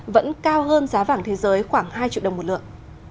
vẫn cao hơn giá vàng thế giới khoảng hai triệu đồng một lượng